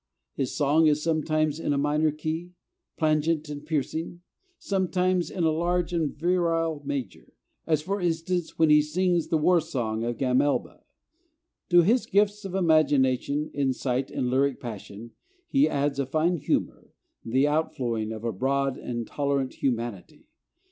His song is sometimes in a minor key, plangent and piercing; sometimes in a large and virile major, as for instance when he sings the 'War song of Gamelba.' To his gifts of imagination, insight, and lyric passion he adds a fine humor, the outflowing of a broad and tolerant humanity.